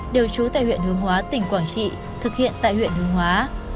đều trú tại huyện hướng hóa tỉnh quảng trị thực hiện tại huyện hương hóa